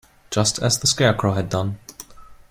Just as the Scarecrow had done.